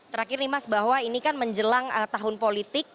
terakhir nih mas bahwa ini kan menjelang tahun politik